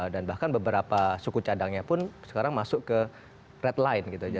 dan bahkan beberapa suku cadangnya pun sekarang masuk ke red line gitu